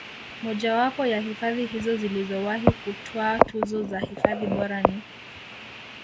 Mojawapo ya hifadhi hizo zilizowahi kutwaa tuzo za hifadhi bora ni